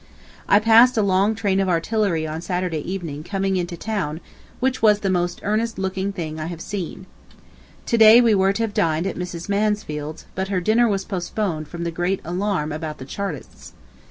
... I passed a long train of artillery on Saturday evening coming into town, which was the most earnest looking thing I have seen. ... To day we were to have dined at Mrs. Mansfield's, but her dinner was postponed from the great alarm about the Chartists.